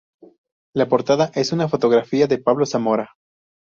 La portada es una fotografía de Pablo Zamora.